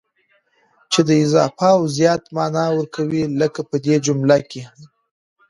چي د اضافه او زيات مانا ور کوي، لکه په دې جملو کي: